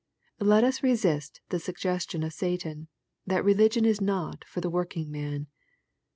Let us resist the suggestion of Satan, that religion is not for the working man.